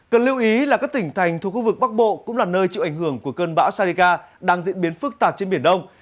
cần lưu ý là các tỉnh thành thuộc khu vực bắc bộ cũng là nơi chịu ảnh hưởng của cơn bão saliga đang diễn biến phức tạp trên biển đông